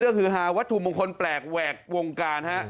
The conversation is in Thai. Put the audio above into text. เรื่องคือฮะวัตถุมงคลแปลกแหวกวงการฮะ